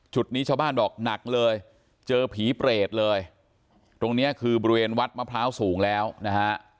จุดนี้ชาวบ้านบอกหนักเลยเจอผีเปรตเลยตรงเนี้ยคือบริเวณวัดมะพร้าวสูงแล้วนะฮะ